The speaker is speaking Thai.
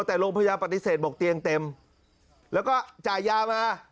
แต่โรงพยาบาลปฏิเสธบอกเตียงเต็มแล้วก็จ่ายยามา